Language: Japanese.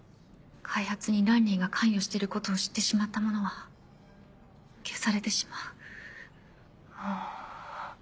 開発にランリーが関与してることを知ってしまった者は消されてしまう。